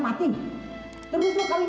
bapak kok belum bangun sih mak